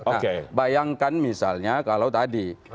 nah bayangkan misalnya kalau tadi